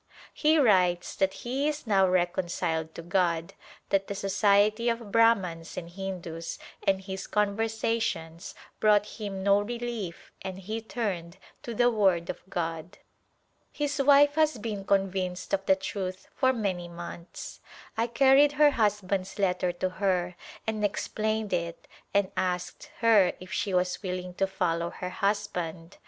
He writes that he is now reconciled to God, that the society of Brahmans and Hindus and his conversations brought him no re lief and he turned to the Word of God. His wife has been convinced of the truth for many months. I carried her husband's letter to her and ex plained it and asked her if she was willing to follow her husband.